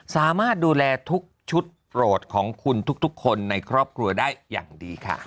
สามารถดูแลทุกชุดโปรดของคุณทุกคนในครอบครัวได้อย่างดีค่ะ